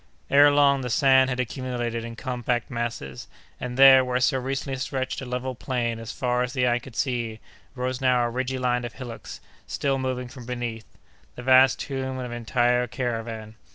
Ere long the sand had accumulated in compact masses; and there, where so recently stretched a level plain as far as the eye could see, rose now a ridgy line of hillocks, still moving from beneath—the vast tomb of an entire caravan!